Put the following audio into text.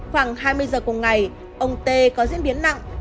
khoảng hai mươi h cùng ngày ông t có diễn biến nặng